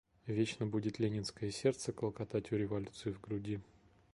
Вечно будет ленинское сердце клокотать у революции в груди.